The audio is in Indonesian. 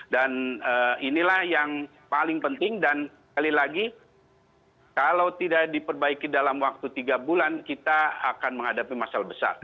dan inilah yang paling penting dan kali lagi kalau tidak diperbaiki dalam waktu tiga bulan kita akan menghadapi masalah besar